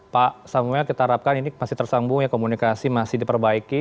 pak samuel kita harapkan ini masih tersambung ya komunikasi masih diperbaiki